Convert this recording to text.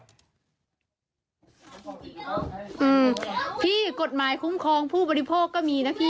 อืมพี่กฎหมายคุ้มครองผู้บริโภคก็มีนะพี่